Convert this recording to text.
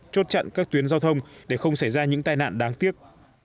chốt chặn các tuyến giao thông để không xảy ra những tai nạn đáng tiếc